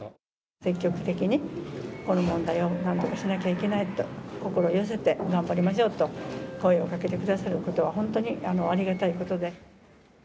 積極的にこの問題をなんとかしなきゃいけないと、心を寄せて頑張りましょうと声をかけてくださることは、本当にありがたいことで。